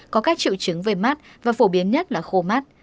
có các triệu chứng về mắt và phổ biến nhất là khô mắt